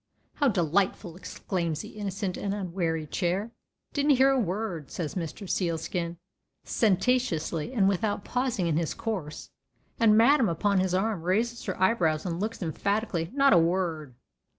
"How delightful!" exclaims the innocent and unwary Chair. "Didn't hear a word," says Mr. Sealskin, sententiously, and without pausing in his course; and Madam upon his arm raises her eyebrows and looks emphatically "not a word!"